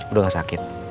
udah nggak sakit